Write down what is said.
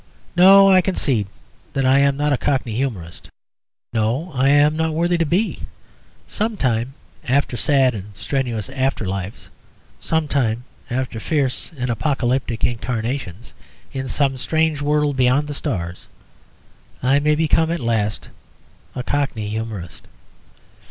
No; I concede that I am not a Cockney humourist. No; I am not worthy to be. Some time, after sad and strenuous after lives; some time, after fierce and apocalyptic incarnations; in some strange world beyond the stars, I may become at last a Cockney humourist.